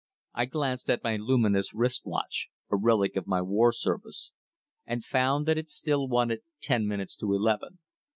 I glanced at my luminous wristwatch a relic of my war service and found that it still wanted ten minutes to eleven.